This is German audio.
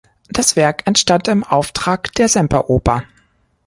Das Werk entstand im Auftrag der Semperoper.